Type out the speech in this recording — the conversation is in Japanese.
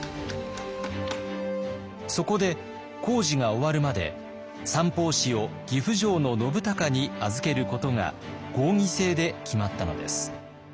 そこで工事が終わるまで三法師を岐阜城の信孝に預けることが合議制で決まったのです。